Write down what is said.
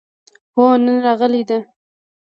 هو، نن راغلې ده